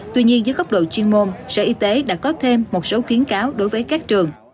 tuy nhiên dưới góc độ chuyên môn sở y tế đã có thêm một số khuyến cáo đối với các trường